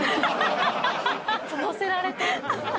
乗せられて。